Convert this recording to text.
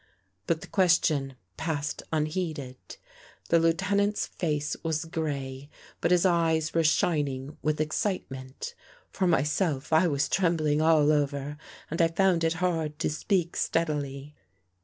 '' But the question passed unheeded. The Lieuten ant's face was gray, but his eyes were shining with excitement. For myself, I was trembling all over and I found it hard to speak steadily.